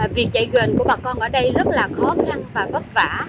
việc chạy quên của bà con ở đây rất là khó khăn và vất vả